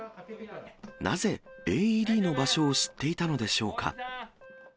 なぜＡＥＤの場所を知っていたのでしょうか。